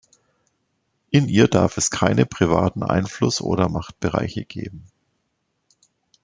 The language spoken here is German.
In ihr darf es keine privaten Einflussoder Machtbereiche geben.